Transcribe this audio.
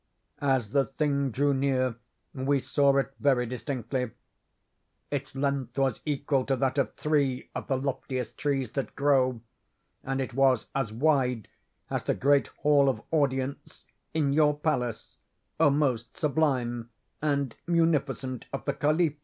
"'As the thing drew near we saw it very distinctly. Its length was equal to that of three of the loftiest trees that grow, and it was as wide as the great hall of audience in your palace, O most sublime and munificent of the Caliphs.